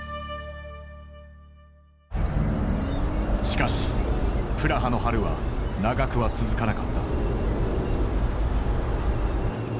しかし「プラハの春」は長くは続かなかった。